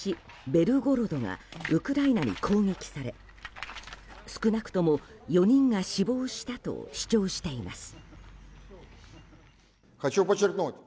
ベルゴロドがウクライナに攻撃され少なくとも４人が死亡したと主張しています。